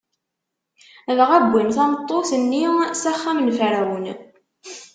Dɣa wwin tameṭṭut-nni s axxam n Ferɛun.